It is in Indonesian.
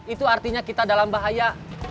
itu artinya kita dalam bahaya